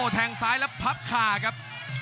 แทงซ้ายแล้วพับคาครับ